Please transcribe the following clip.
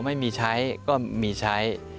ไม่มีใช้ก็มีใช้